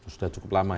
sudah cukup lama ya